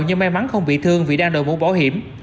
nhưng may mắn không bị thương vì đang đòi muốn bỏ hiểm